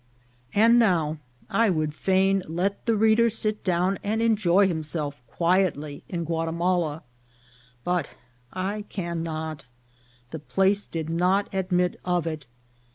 And now I would fain let the reader sit down and enjoy himself quietly in Guatimala, but I cannot. The place did not admit of it.